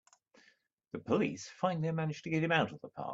The police finally manage to get him out of the park!